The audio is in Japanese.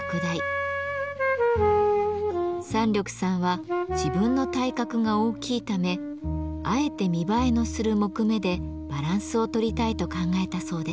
山緑さんは自分の体格が大きいためあえて見栄えのする木目でバランスをとりたいと考えたそうです。